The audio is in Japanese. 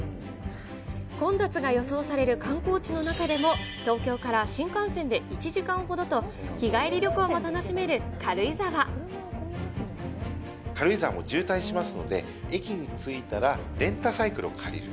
混雑が予想される観光地の中でも、東京から新幹線で１時間ほどと、軽井沢も渋滞しますので、駅に着いたらレンタサイクルを借りる。